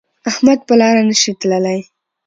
احمد په لاره نشي تللی.